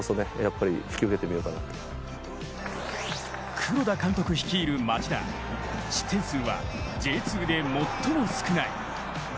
黒田監督率いる町田、失点数はＪ２で最も少ない。